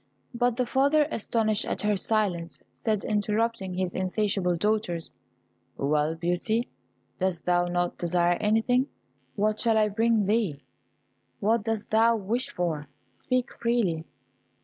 But the father, astonished at her silence, said, interrupting his insatiable daughters, "Well, Beauty, dost thou not desire anything? What shall I bring thee? what dost thou wish for? Speak freely."